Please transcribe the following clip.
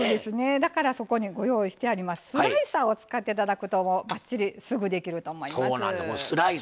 だから、ご用意してあるスライサーを使っていただくとばっちりすぐできると思います。